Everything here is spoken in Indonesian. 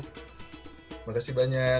terima kasih banyak